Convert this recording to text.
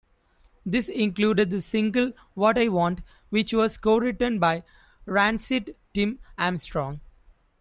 This included the single "What I Want", which was co-written by Rancid's Tim Armstrong.